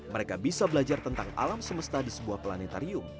mereka bisa belajar tentang alam semesta di sebuah planetarium